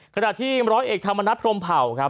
ขณะที่ร้อยเอกธรรมนัฐพรมเผ่าครับ